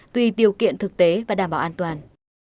tùy điều kiện thực tế và đảm bảo an toàn